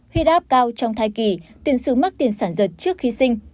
huyết áp cao trong thai kỳ tiền xứ mắc tiền sản dật trước khi sinh